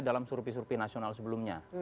dalam surpi surpi nasional sebelumnya